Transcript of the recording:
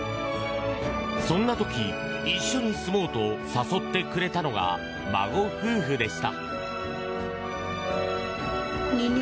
そんな時、一緒に住もうと誘ってくれたのが孫夫婦でした。